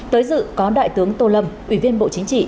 tới dự có đại tướng tô lâm ủy viên bộ chính trị